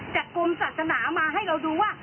กรมศาสนามาให้เราดูว่า